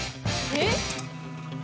えっ？